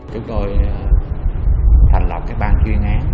chúng tôi thành lập ban chuyên án